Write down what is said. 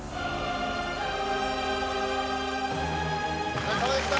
お疲れさまでした！